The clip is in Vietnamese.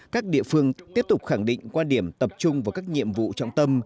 các địa phương tiếp tục khẳng định quan điểm tập trung vào các nhiệm vụ trọng tâm